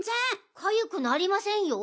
かゆくなりませんよ。